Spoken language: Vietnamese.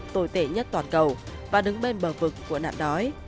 tồi tệ nhất toàn cầu và đứng bên bờ vực của nạn đói